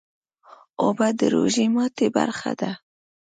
اوبه د روژې ماتی برخه ده